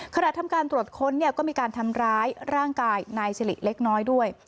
ขณะทำการตรวจค้นเนี่ยก็มีการทำร้ายร่างกายนายสิริเล็กน้อยด้วย